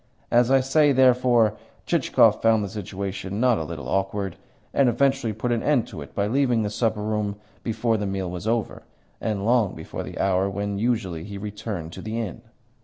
As I say, therefore, Chichikov found the situation not a little awkward, and eventually put an end to it by leaving the supper room before the meal was over, and long before the hour when usually he returned to the inn.